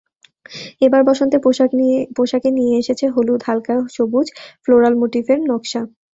এবার বসন্তে পোশাকে নিয়ে এসেছে হলুদ, হালকা সবুজ, ফ্লোরাল মোটিভের নকশা।